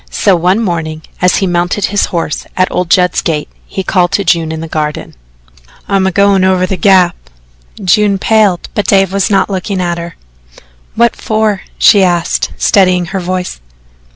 So one morning as he mounted his horse at old Judd's gate, he called to June in the garden: "I'm a goin' over to the Gap." June paled, but Dave was not looking at her. "What for?" she asked, steadying her voice.